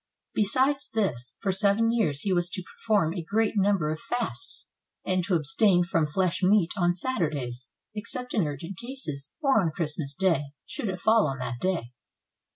Besides this, for seven years he was to perform a great number of fasts, and to abstain from flesh meat on Sat urdays, except in urgent cases, or on Christmas Day, should it fall on that day.